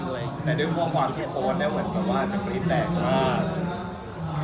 แต่ด้วยความหวาดทุกคนนะเหมือนกับว่าจังหวีแตกมาก